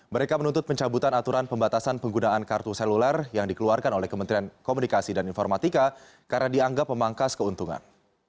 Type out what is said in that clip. mereka menuntut pencabutan aturan pembatasan penggunaan kartu seluler yang dikeluarkan oleh kementerian komunikasi dan informatika karena dianggap memangkas keuntungan